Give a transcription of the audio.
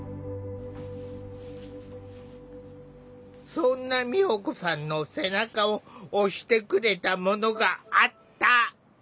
そんな美保子さんの背中を押してくれたものがあった。